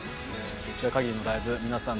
一夜限りのライブ皆さん